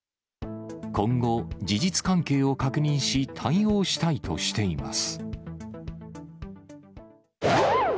今後、事実関係を確認し、対応したいとしています。